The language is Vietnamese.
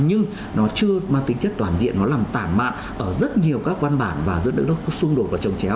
nhưng nó chưa mang tính chất toàn diện nó làm tản mạng ở rất nhiều các văn bản và rất là đất nước có xung đột